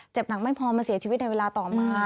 หนังไม่พอมาเสียชีวิตในเวลาต่อมา